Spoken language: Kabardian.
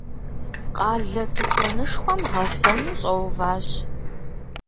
Къалэ тыкуэнышхуэм гъэсэну щӏэуващ.